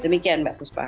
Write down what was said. demikian mbak khuspa